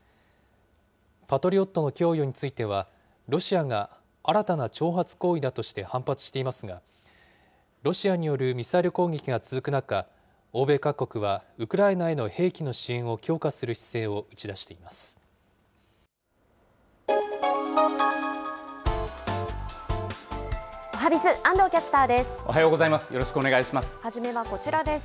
パトリオットの供与については、ロシアが新たな挑発行為だとして反発していますが、ロシアによるミサイル攻撃が続く中、欧米各国はウクライナへの兵器の支援を強化する姿勢を打ち出しておはＢｉｚ、おはようございます。